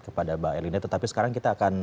kepada mbak elina tetapi sekarang kita akan